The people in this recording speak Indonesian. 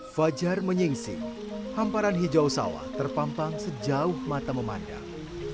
fajar menyingsing hamparan hijau sawah terpampang sejauh mata memandang